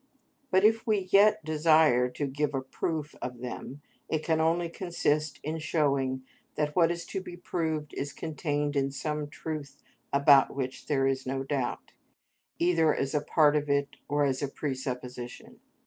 But if we yet desire to give a proof of them, it can only consist in showing that what is to be proved is contained in some truth about which there is no doubt, either as a part of it or as a presupposition.